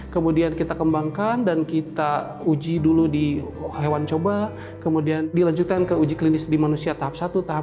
kemudian kita kembangkan dan kita uji dulu di hewan coba kemudian dilanjutkan ke uji klinis di manusia tahap satu tahap